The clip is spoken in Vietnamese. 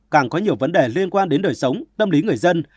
càng có nhiều vấn đề liên quan đến đời sống tâm lý người dân